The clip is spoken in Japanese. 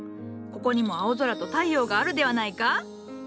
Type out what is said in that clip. ここにも青空と太陽があるではないか？